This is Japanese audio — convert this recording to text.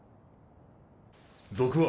賊は？